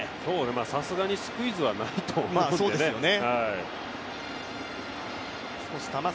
さすがにスクイズはないと思うんでね。